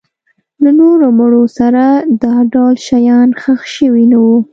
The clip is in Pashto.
له نورو مړو سره دا ډول شیان ښخ شوي نه وو.